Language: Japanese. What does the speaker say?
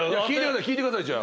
聞いてくださいじゃあ。